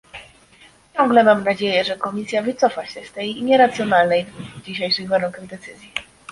Ciągle mam nadzieję, że Komisja wycofa się z tej nieracjonalnej w dzisiejszych warunkach decyzji